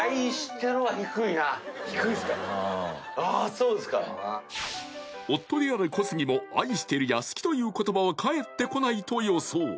そうですか夫である小杉も「愛してる」や「好き」という言葉は返ってこないと予想